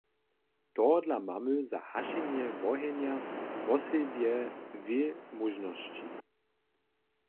Tohodla mamy za hašenje wohenja wosebje dwě móžnosći.